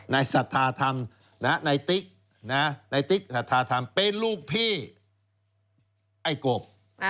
ศรัทธาธรรมนายติ๊กนายติ๊กสัทธาธรรมเป็นลูกพี่ไอ้กบ